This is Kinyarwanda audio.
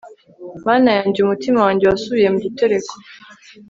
mana yanjye, umutima wanjye wasubiye mu gitereko